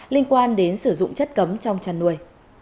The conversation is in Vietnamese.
liên quan đến sử dụng chất cấm trong chăn nuôi